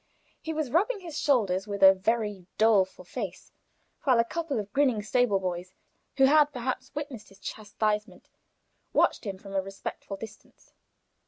He was rubbing his shoulders with a very doleful face, while a couple of grinning stable boys, who had perhaps witnessed his chastisement, watched him from a respectful distance.